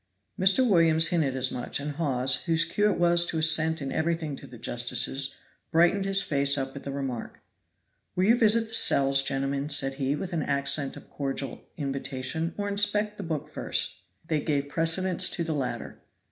Mr. Williams hinted as much, and Hawes, whose cue it was to assent in everything to the justices, brightened his face up at the remark. "Will you visit the cells, gentlemen," said he, with an accent of cordial invitation, "or inspect the book first?" They gave precedence to the latter.